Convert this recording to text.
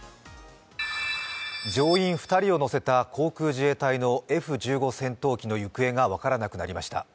乗員２人を乗せた航空自衛隊のＦ１５戦闘機の行方が分からなくなりました。